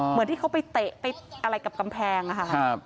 เหมือนที่เขาไปเตะไปอะไรกับกำแพงค่ะ